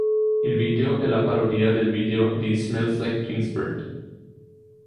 Il video è la parodia del video di "Smells Like Teen Spirit".